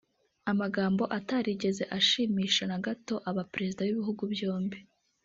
amagambo atarigeze ashimisha na gato aba perezida b’ibi bihugu byombi